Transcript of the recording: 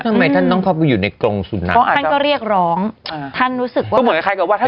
ทำไมท่านต้องพบอยู่ในกรงสุดนั้นเพราะท่านก็เรียกร้องท่านรู้สึกว่า